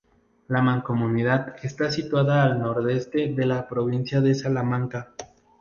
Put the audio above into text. La Mancomunidad está situada al nordeste de la provincia de Salamanca.